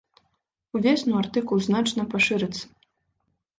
Увесну артыкул значна пашырыцца.